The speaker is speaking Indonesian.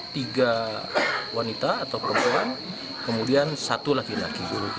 tiga wanita atau perempuan kemudian satu laki laki